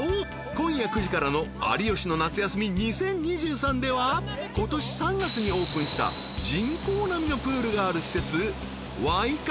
今夜９時からの『有吉の夏休み２０２３』ではことし３月にオープンした人工波のプールがある施設ワイカイでサーフィンに挑戦］